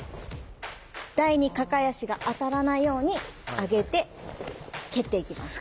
台に抱え足が当たらないように上げて蹴っていきます。